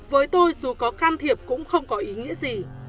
với tôi dù có can thiệp cũng không có ý nghĩa gì